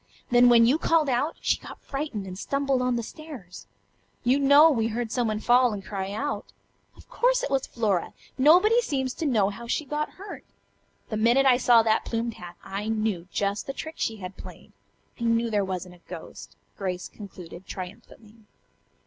Then when you called out, she got frightened and stumbled on the stairs. You know we heard someone fall and cry out. Of course it was Flora. Nobody seems to know how she got hurt. The minute I saw that plumed hat I knew just the trick she had played. I knew there wasn't a ghost," Grace concluded triumphantly.